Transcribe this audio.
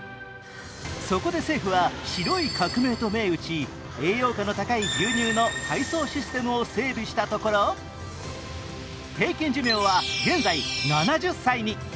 そこで政府は白い革命と銘打ち、栄養価の高い牛乳の配送システムを整備したところ平均寿命は現在７０歳に。